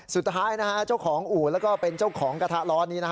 สุดท้ายนะฮะเจ้าของอู่แล้วก็เป็นเจ้าของกระทะล้อนี้นะ